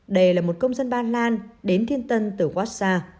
đây là một công dân ban lan đến thiên tân từ watsa